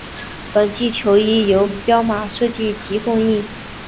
本季球衣改由彪马设计及供应。